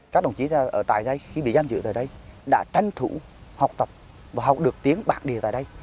các đồng chí ở tại đây khi bị giam giữ tại đây đã tranh thủ học tập và học được tiếng bản địa tại đây